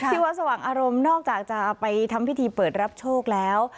ที่วัดสว่างอารมณ์นอกจากจะไปทำพิธีเปิดรับโชคแล้ว